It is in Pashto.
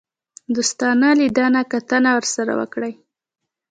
دوستانه لیدنه کتنه ورسره وکړي.